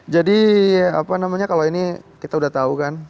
apa namanya kalau ini kita udah tahu kan